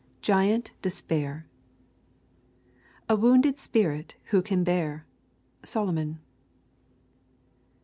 GIANT DESPAIR 'A wounded spirit who can bear?' Solomon.